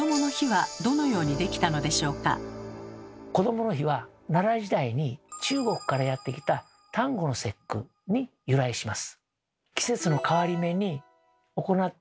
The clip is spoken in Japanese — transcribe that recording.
続いてこどもの日は奈良時代に中国からやって来た端午の節句に由来します。